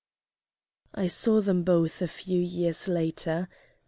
I saw them both a few years later.